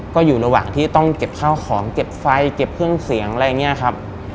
ก็อยู่ระหว่างที่ต้องเก็บข้าวของเก็บไฟเก็บเครื่องเสียงอะไรอย่างนี้ครับ